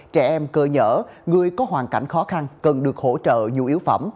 trẻ em cơ nhở người có hoàn cảnh khó khăn cần được hỗ trợ nhu yếu phẩm